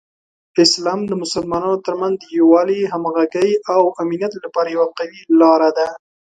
اسلام د مسلمانانو ترمنځ د یووالي، همغږۍ، او امنیت لپاره یوه قوي لاره ده.